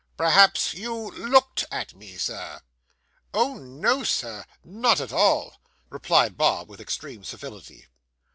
'Perhaps you _looked _at me, sir?' 'Oh, no! sir, not at all,' replied Bob, with extreme civility.